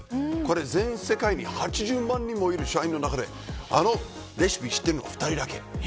全世界に８０万人もいる社員の中であのレシピを知っているのは２人だけ。